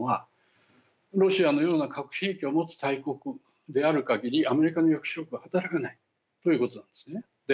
ロシアのような核兵器を持つ大国であるかぎりアメリカの抑止力は働かないということなんですね。